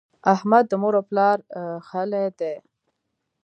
احمد د مور او پلار ښهلی دی.